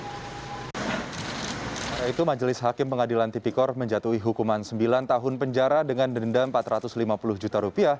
setelah itu majelis hakim pengadilan tipikor menjatuhi hukuman sembilan tahun penjara dengan denda rp empat ratus lima puluh juta